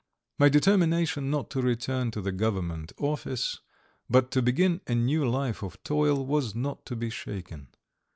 My determination not to return to the Government office, but to begin a new life of toil, was not to be shaken.